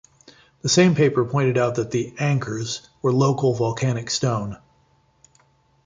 The same paper pointed out that the "anchors" were local volcanic stone.